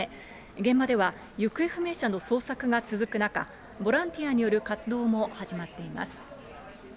現場では行方不明者の捜索が続く中、ボランティアによる活動も始まっています。